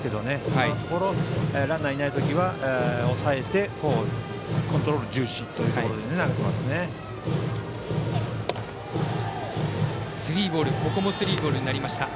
今のところランナーがいない時は抑えてコントロール重視というところでスリーボールになりました。